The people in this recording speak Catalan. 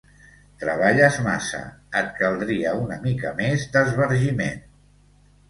Treballes massa: et caldria una mica més d'esbargiment.